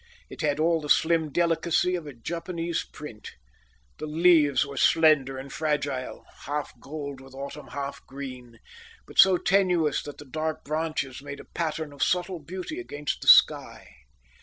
It had all the slim delicacy of a Japanese print. The leaves were slender and fragile, half gold with autumn, half green, but so tenuous that the dark branches made a pattern of subtle beauty against the sky.